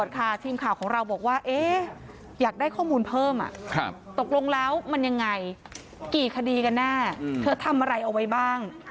ตกลงแล้วมันยังไงกี่คดีกันหน้าเธอทำอะไรเอาไว้บ้าง